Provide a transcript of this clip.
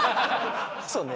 そうね